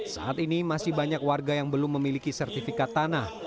saat ini masih banyak warga yang belum memiliki sertifikat tanah